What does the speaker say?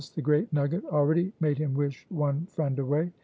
the great nugget already made him wish one friend away.